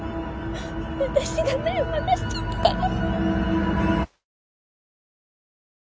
私が目を離しちゃったから